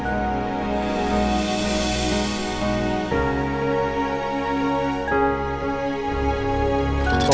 gak ada kata percaya